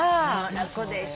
楽でしょ。